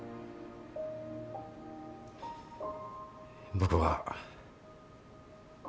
僕は。